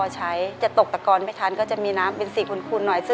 ในแคมเปญพิเศษเกมต่อชีวิตโรงเรียนของหนู